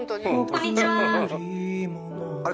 こんにちは。